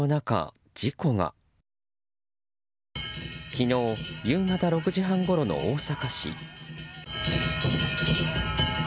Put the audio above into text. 昨日夕方６時半ごろの大阪市。